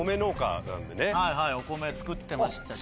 お米作ってましたし。